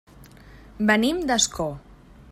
Venim d'Ascó.